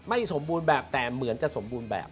สมบูรณ์แบบแต่เหมือนจะสมบูรณ์แบบ